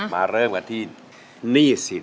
สวัสดีครับ